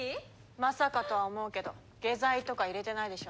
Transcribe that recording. まさかとは思うけど下剤とか入れてないでしょうね？